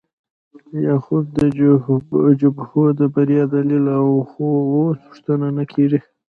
لیاخوف د جبهو د بریا دلیل و خو اوس پوښتنه نه کیږي